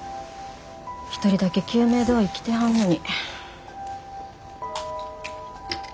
一人だけ救命胴衣着てはんのに。